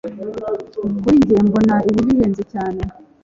kuri njye mbona ibi bihenze cyane